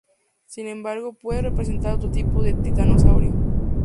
Sin embargo, puede representar a otro tipo de titanosaurio.